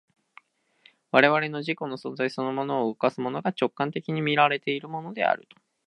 我々の自己の存在そのものを動かすものが、直観的に見られるものである。